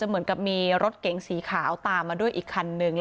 มีรถเก่งสีขาวตามมาด้วยอีกคันนึง